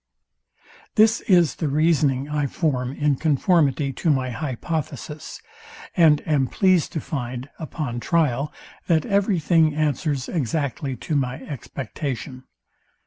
This is the reasoning I form in conformity to my hypothesis; and am pleased to find upon trial that every thing answers exactly to my expectation.